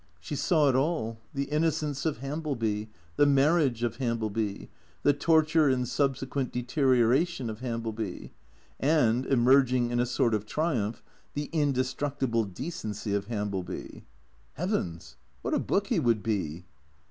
She saw it all ; the Inno cence of Hambleby ; the Marriage of Hambleby ; the Torture and subsequent Deterioration of Hambleby; and, emerging in a sort of triumph, the indestructible Decency of Hambleby, Heavens, what a book he would be.